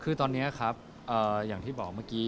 คือตอนนี้ครับอย่างที่บอกเมื่อกี้